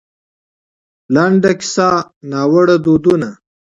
لـنـډه کيـسـه :نـاوړه دودونـه